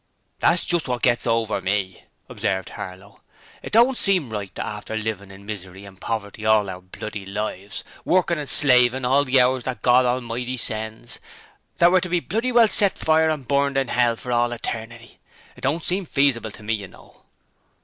'That's just wot gets over ME,' observed Harlow. 'It don't seem right that after living in misery and poverty all our bloody lives, workin' and slavin' all the hours that Gord A'mighty sends, that we're to be bloody well set fire and burned in 'ell for all eternity! It don't seem feasible to me, you know.'